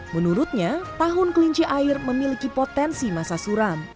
menurutnya tahun kelinci air memiliki potensi masa suram